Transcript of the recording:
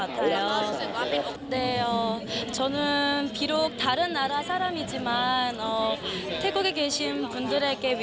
เพราะว่า๕รับมีหลักครับ